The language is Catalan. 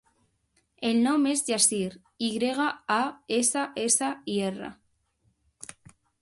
El nom és Yassir: i grega, a, essa, essa, i, erra.